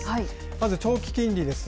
まず長期金利です。